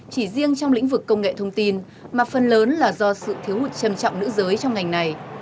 chỉ riêng trong lĩnh vực công nghệ thông tin mà phần lớn là do sự thiếu hụt trầm trọng nữ giới trong ngành này